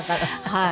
はい。